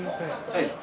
はい。